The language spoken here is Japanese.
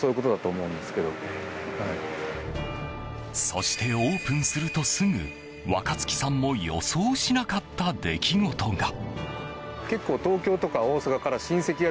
そして、オープンするとすぐ若月さんも予想しなかった出来事が。